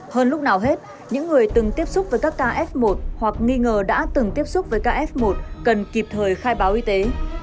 hơn lúc nào hết những người từng tiếp xúc với các kf một hoặc nghi ngờ đã từng tiếp xúc với kf một cần kịp thời khai báo y tế